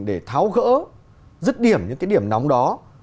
để tháo gỡ rứt điểm những cái điểm nóng đó